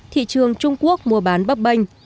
thị trường trung quốc mua bán